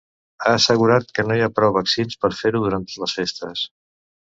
Ha assegurat que no hi ha prou vaccins per fer-ho durant les festes.